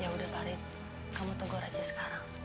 yaudah farid kamu tunggu raja sekarang